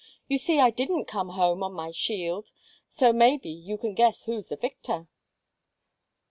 "You see I didn't come home on my shield, so maybe you can guess who's the victor."